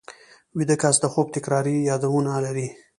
ویده کس د خوب تکراري یادونه لري